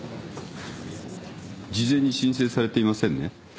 事前に申請されていませんね。